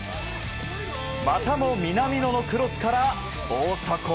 またも南野のクロスから大迫。